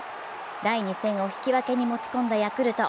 第２戦を引き分けに持ち込んだヤクルト。